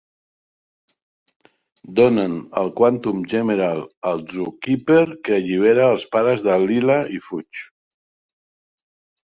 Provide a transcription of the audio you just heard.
Donen el Quantum Gemerald al Zookeeper, que allibera els pares de Leela i fuig.